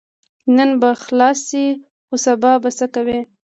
نن به خلاص شې خو سبا به څه کوې؟